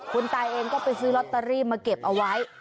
คุณตาเองก็ไปซื้อลอตเตอรี่มาเก็บเอาไว้